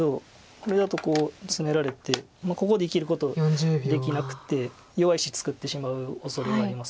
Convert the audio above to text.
これだとこうツメられてここで生きることできなくて弱い石作ってしまうおそれがありますので。